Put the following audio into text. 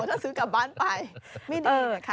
ถ้าซื้อกลับบ้านไปไม่ดีนะคะ